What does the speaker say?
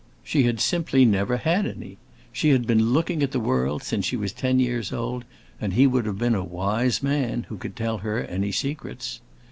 She had simply never had any; she had been looking at the world since she was ten years old, and he would have been a wise man who could tell her any secrets.